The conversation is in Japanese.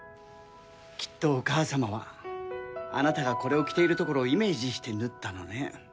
きっとお母さまはあなたがこれを着ているところをイメージして縫ったのね。